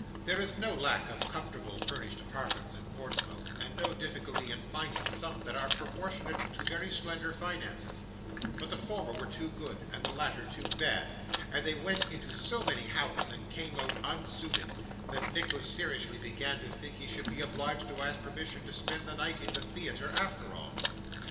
There is no lack of comfortable furnished apartments in Portsmouth, and no difficulty in finding some that are proportionate to very slender finances; but the former were too good, and the latter too bad, and they went into so many houses, and came out unsuited, that Nicholas seriously began to think he should be obliged to ask permission to spend the night in the theatre, after all.